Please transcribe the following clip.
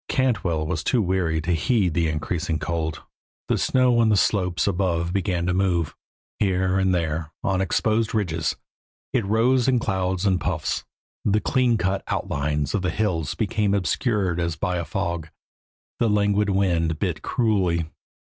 Cantwell was too weary to heed the increasing cold. The snow on the slopes above began to move; here and there, on exposed ridges, it rose in clouds and puffs; the cleancut outlines of the hills became obscured as by a fog; the languid wind bit cruelly.